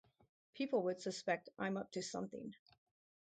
People would suspect I'm up to something.